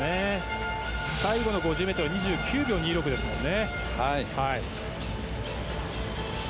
最後の５０ｍは２９秒２６ですものね。